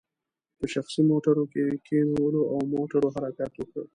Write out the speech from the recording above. په شخصي موټرو کې یې کینولو او موټرو حرکت وکړ.